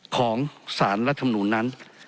ของสารรัฐมนูลนั้น